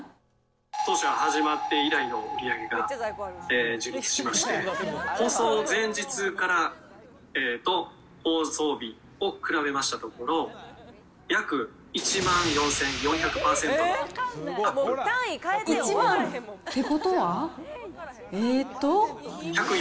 当社始まって以来の売り上げが樹立しまして、放送前日からと放送日を比べましたところ、１万？ってことは、えーと？